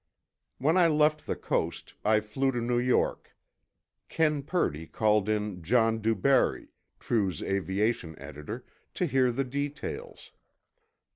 When I left the Coast, I flew to New York. Ken Purdy called in John DuBarry, True's aviation editor, to hear the details.